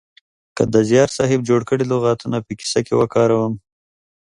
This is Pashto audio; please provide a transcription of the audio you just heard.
که د زیار صاحب جوړ کړي لغاتونه په کیسه کې وکاروم